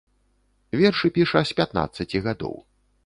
Вершы піша з пятнаццаці гадоў.